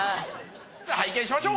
拝見しましょう。